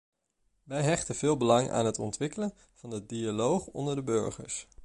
Wij hechten veel belang aan het ontwikkelen van de dialoog onder de burgers.